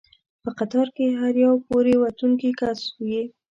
په قطار کې هر یو پورې ووتونکی کس یې.